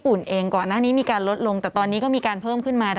พยายามกันต่อไปอีกสักอาทิตย์๒อาทิตย์